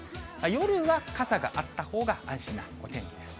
夜は傘があったほうが安心な天気です。